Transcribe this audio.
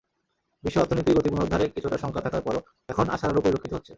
বিশ্ব অর্থনীতির গতি পুনরুদ্ধারে কিছুটা শঙ্কা থাকার পরও এখন আশার আলো পরিলিক্ষত হচ্ছে।